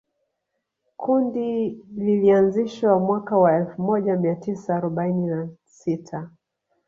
Kundi lilianzishwa mwaka wa elfu moja mia tisa arobaini na sita